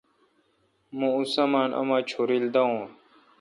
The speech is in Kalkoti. مہ اوں سامان اوما ڄورل داون۔